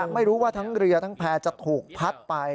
ไม่รู้ว่าทั้งเรือทั้งแพร่จะถูกพัดไป